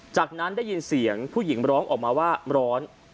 จากนั้นได้ยินเสียงผู้หญิงร้องออกมาว่าร้อน